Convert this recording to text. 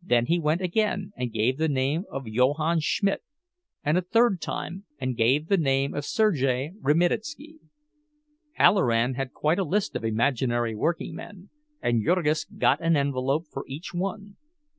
Then he went again; and gave the name of "Johann Schmidt," and a third time, and give the name of "Serge Reminitsky." Halloran had quite a list of imaginary workingmen, and Jurgis got an envelope for each one.